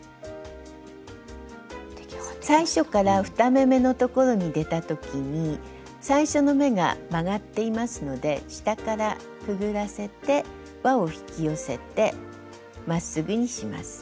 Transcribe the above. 最初から２目めのところに出た時に最初の目が曲がっていますので下からくぐらせてわを引き寄せてまっすぐにします。